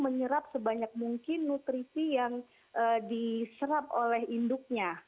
menyerap sebanyak mungkin nutrisi yang diserap oleh induknya